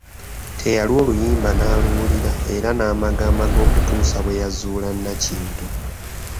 Teyalwa oluyimba n'aluwulira era n'amagamaga okutuusa bwe yazuula Nakintu.